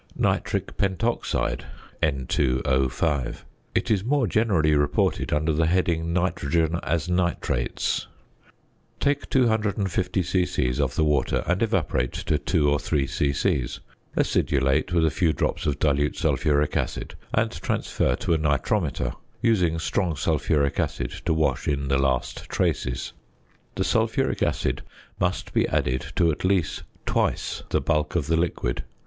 ~Nitric Pentoxide (N_O_).~ It is more generally reported under the heading, "nitrogen as nitrates." Take 250 c.c. of the water and evaporate to 2 or 3 c.c.; acidulate with a few drops of dilute sulphuric acid, and transfer to a nitrometer (using strong sulphuric acid to wash in the last traces). The sulphuric acid must be added to at least twice the bulk of the liquid.